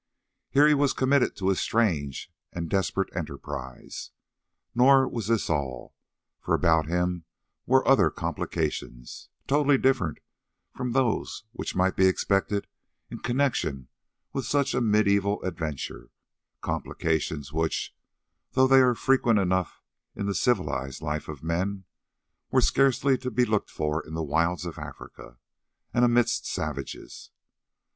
Here he was, committed to a strange and desperate enterprise. Nor was this all, for about him were other complications, totally different from those which might be expected in connection with such a mediaeval adventure, complications which, though they are frequent enough in the civilised life of men, were scarcely to be looked for in the wilds of Africa, and amidst savages.